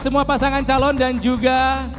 semua pasangan calon dan juga